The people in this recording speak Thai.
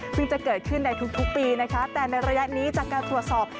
ซึ่งจะเกิดขึ้นในทุกปีนะคะแต่ในระยะนี้จากการตรวจสอบ